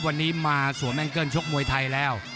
วันนี้มาสวมแองเกิ้ลชกมวยไทยแล้ว